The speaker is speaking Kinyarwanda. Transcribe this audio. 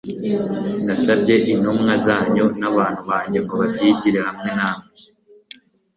nasabye intumwa zanyu n'abantu banjye ngo babyigire hamwe namwe